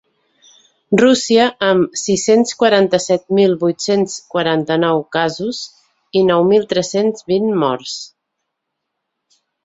Rússia, amb sis-cents quaranta-set mil vuit-cents quaranta-nou casos i nou mil tres-cents vint morts.